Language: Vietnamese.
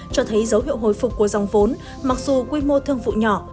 cho thấy dấu hiệu hồi phục của dòng vốn mặc dù quy mô thương vụ nhỏ